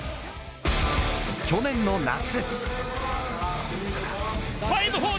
去年の夏。